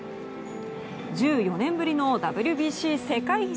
１４年ぶりのＷＢＣ世界一。